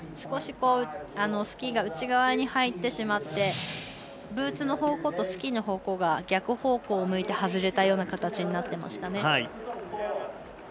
スキーが内側に入ってしまってブーツの方向とスキーの方向が逆方向を向いて外れたような形になっていました。